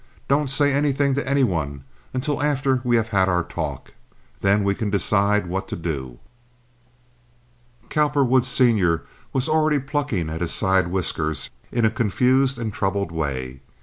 Don't say anything to any one until after we have had our talk; then we can decide what to do." Cowperwood, Sr., was already plucking at his side whiskers in a confused and troubled way.